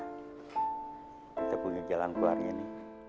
kita punya jalan keluar ini